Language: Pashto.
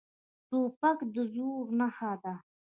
توپک د زور نښه ده.